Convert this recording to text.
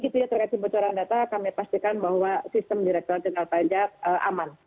terkait kebocoran data kami pastikan bahwa sistem direkturat jenderal pajak aman